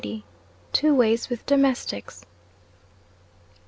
TWO WAYS WITH DOMESTICS.